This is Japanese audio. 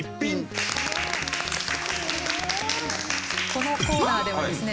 このコーナーではですね